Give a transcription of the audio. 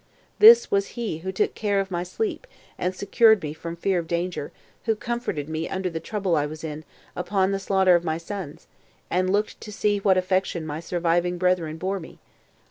This was he who took care of my sleep, and secured me from fear of danger, who comforted me under the trouble I was in upon the slaughter of my sons, and looked to see what affection my surviving brethren bore me!